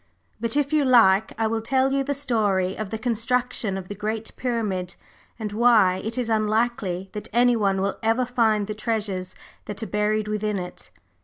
But, if you like, I will tell you the story of the construction of the Great Pyramid, and why it is unlikely that anyone will ever find the treasures that are buried within it.